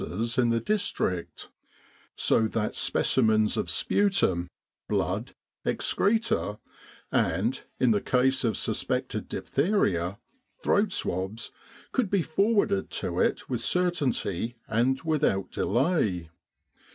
's in the district, so that specimens of sputum, blood, excreta, and in the case of suspected diphtheria throat swabs, could be forwarded to it with certainty N 197 With the R.A.M.C. in Egypt and without delay.